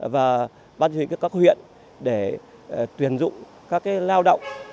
và ban chỉ huy các huyện để tuyển dụng các lao động